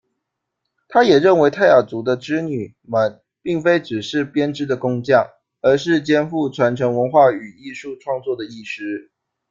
她也认为泰雅族的织女们并非只是编织的工匠，而是肩负传承文化与艺术创作的艺师。